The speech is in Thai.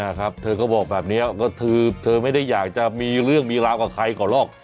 ครับเธอก็บอกแบบนี้ก็คือเธอไม่ได้อยากจะมีเรื่องมีราวกับใครก่อนหรอก